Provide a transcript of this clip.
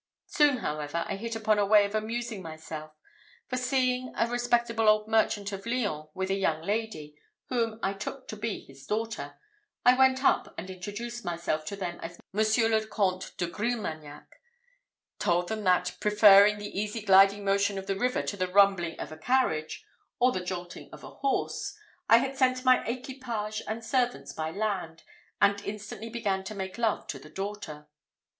Soon, however, I hit upon a way of amusing myself; for, seeing a respectable old merchant of Lyons with a young lady, whom I took to be his daughter, I went up and introduced myself to them as Monsieur le Comte de Grilmagnac; told them that, preferring the easy gliding motion of the river to the rumbling of a carriage, or the jolting of a horse, I had sent my equipage and servants by land, and instantly began to make love to the daughter.